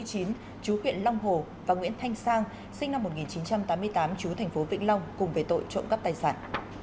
trú huyện long hồ và nguyễn thanh sang sinh năm một nghìn chín trăm tám mươi tám trú tp vĩnh long cùng về tội trộm cắp tài sản